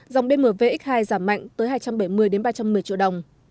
dòng bmw x hai giảm mạnh tới hai trăm bảy mươi ba trăm một mươi triệu đồng